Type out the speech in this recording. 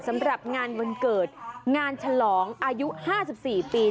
สำหรับงานวันเกิดงานฉลองอายุ๕๔ปี